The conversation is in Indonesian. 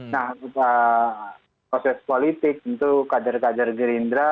nah proses politik tentu kader kader gerindra